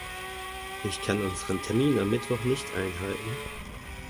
Ich kann unseren Termin am Mittwoch nicht einhalten.